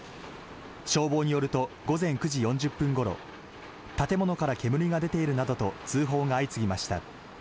消防によると、午前９時４０分ごろ、建物から煙が出ているなどと通報が相次ぎました。